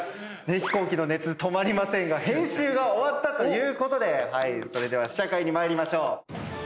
飛行機の熱止まりませんが編集が終わったということでそれでは試写会に参りましょう。